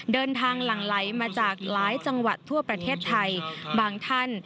เดินทางหลังไลมาจากหลายจังหวัดทั่วประเทศไทย